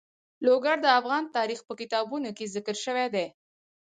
لوگر د افغان تاریخ په کتابونو کې ذکر شوی دي.